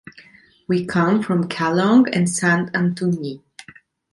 We come from Calonge and Sant Antoni.